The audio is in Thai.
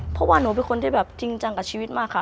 เพราะว่าหนูเป็นคนที่แบบจริงจังกับชีวิตมากค่ะ